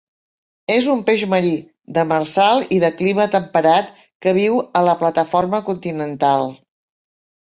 És un peix marí, demersal i de clima temperat que viu a la plataforma continental.